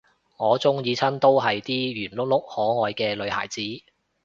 我鍾意親都係啲圓碌碌可愛嘅女孩子